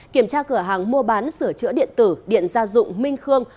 kiểm tra cửa hàng mua bán sửa chữa điện tử điện gia dụng minh khương